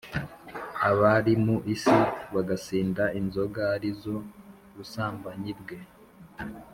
abari mu isi bagasinda inzoga ari zo busambanyi bwe.